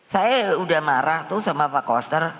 saya udah marah tuh sama pak koster